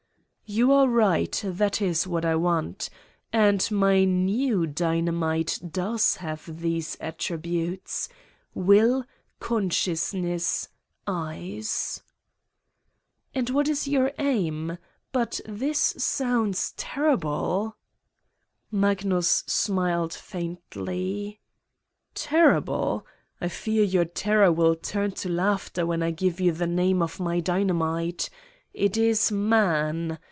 "You are right. That is what I want. And my new dynamite does have these attributes : will, consciousness, eyes." "And what is your aim? But this sounds ... terrible." Magnus smiled faintly. "Terrible! I fear your terror will turn to laughter when I give you the name of my dyna mite. It is man.